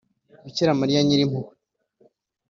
bikira mariya ny irimpuhwe